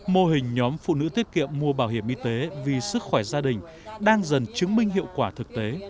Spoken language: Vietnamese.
mô hình nhóm phụ nữ tiết kiệm mua bảo hiểm y tế vì sức khỏe gia đình đang dần chứng minh hiệu quả thực tế